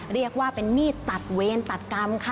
เรียกว่าเป็นมีดตัดเวรตัดกรรมค่ะ